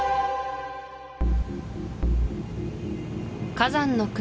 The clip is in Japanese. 火山の国